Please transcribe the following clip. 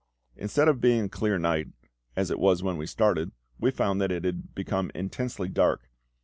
Instead of being a clear night, as it was when we started, we found that it had become intensely dark.